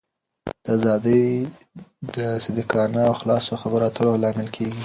دا آزادي د صادقانه او خلاصو خبرو اترو لامل کېږي.